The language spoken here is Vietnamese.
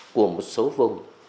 của một số vùng